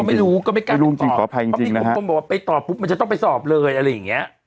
เราก็ไม่รู้ก็ไม่กล้าไปตอบไม่รู้จริงจริงขออภัยจริงจริงนะฮะบางคนก็บอกว่าไปตอบปุ๊บมันจะต้องไปสอบเลยอะไรอย่างเงี้ย